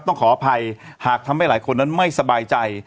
ขออภัยหากทำให้หลายคนนั้นไม่สบายใจ